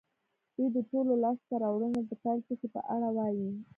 دوی د ټولو لاسته راوړنو د پيل ټکي په اړه وايي.